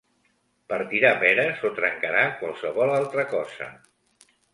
Partirà peres o trencarà qualsevol altra cosa.